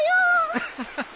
アハハハ